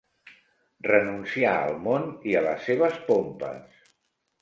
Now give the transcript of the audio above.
Renunciar al món i a les seves pompes.